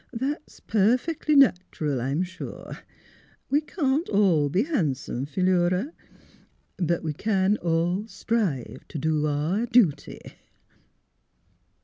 That's perfec'ly natural, I'm sure. We can't all be han'some, Philura; but we can all strive t' do our dooty."